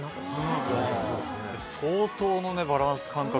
相当のねバランス感覚。